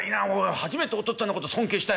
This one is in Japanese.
初めてお父っつぁんのこと尊敬したよ。